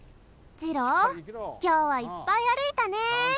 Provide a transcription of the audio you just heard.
じろうきょうはいっぱいあるいたね。